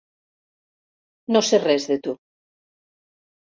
No sé res de tu.